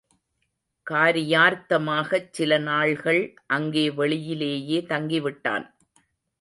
காரியார்த்தமாகச் சில நாள்கள் அங்கே வெளியிலேயே தங்கிவிட்டான்.